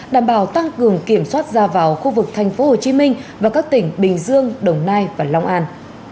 đảm bảo tăng cường kiểm soát ra vào khu vực thành phố hồ chí minh và các tỉnh bình dương đồng nai và long an